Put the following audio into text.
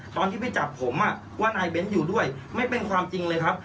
ตอนที่ไปจับผมว่านายเบ้นอยู่ด้วยไม่เป็นความจริงเลยครับ